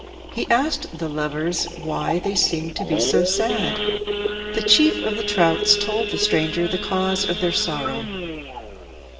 He asked the lovers why they seemed to be so sad. The chief of the trouts told the stranger the cause of their sorrow.